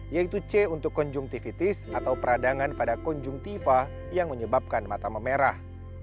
yaitu c untuk konjungtivitis atau peradangan pada konjung tifa yang menyebabkan mata memerah